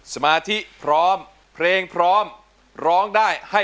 สมาธิพร้อมเพลงที่๑เพลงมาครับ